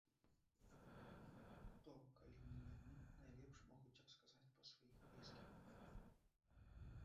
Хто, калі не яны, найлепш могуць расказаць пра сваіх блізкіх.